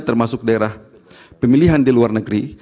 termasuk daerah pemilihan di luar negeri